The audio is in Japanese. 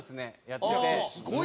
やってて。